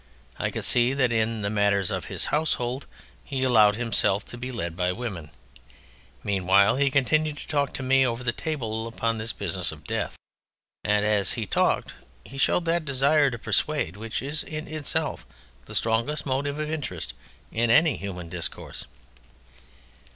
I could see that in the matters of his household he allowed himself to be led by women. Meanwhile he continued to talk to me over the table upon this business of Death, and as he talked he showed that desire to persuade which is in itself the strongest motive of interest in any human discourse.